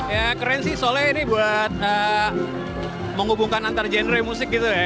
ya keren sih soalnya ini buat menghubungkan antar genre musik gitu ya